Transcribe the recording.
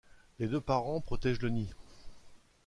Les deux parents protègent le nid.